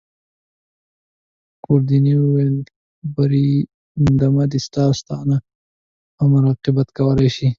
ګوردیني وویل: بریدمنه دی ستا ساتنه او مراقبت کولای شي.